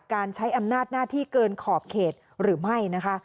การใช้อำนาจหน้าที่เกินขอบเขตหรือไม่นะคะ